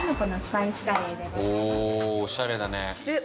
おしゃれだね。